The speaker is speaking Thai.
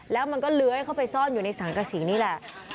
แล้วมันก็เลื้อยเข้าไปซ่อนอยู่ในสังกษีนี่แหละ